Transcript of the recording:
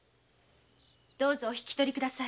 どうぞお引き取り下さい。